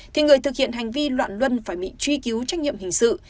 thì người thực hiện hành vi loạn luân phải bị truy cứu trách nhiệm hình sự